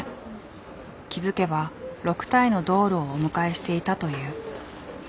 気付けば６体のドールをお迎えしていたという。